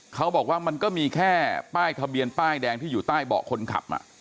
เขาบอกว่ามันก็มีแค่ป้ายทะเบียนป้ายแดงที่อยู่ใต้เบาะคนขับ